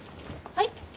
はい？